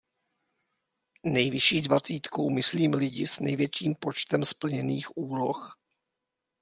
Nejvyšší dvacítkou myslím lidi s největším počtem splněných úloh.